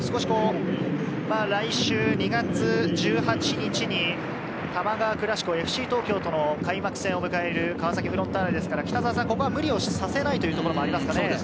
来週２月１８日に多摩川クラシコ、ＦＣ東京との開幕戦を迎える川崎フロンターレですから、ここは無理をさせないというところもありますかね。